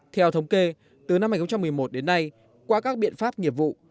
theo thống kê từ năm hai nghìn một mươi một đến nay qua các biện pháp nghiệp vụ